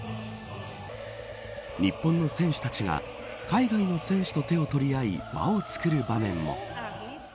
日本の選手たちが海外の選手と手を取り合い輪をつくる場面も。